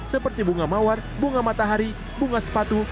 seperti bunga mawar bunga matahari bunga sepatu